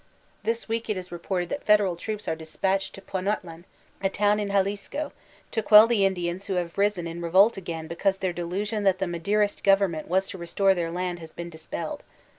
This week it is reported that federal troops are dispatched to Ponoitlan, a town in Jalisco, to quell the Indians who have risen in revolt again because tiieir delusion that the Maderist government was to re store their land has been dbpelled.